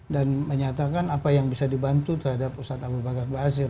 dan menyatakan apa yang bisa dibantu terhadap pusat abu bakar basir